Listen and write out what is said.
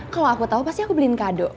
kalau aku tahu pasti aku beliin kado